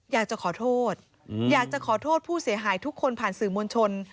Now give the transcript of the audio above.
อยากจะขอโทษอยากจะขอโทษผู้เสียหายทุกคนผ่านสื่อมวลชน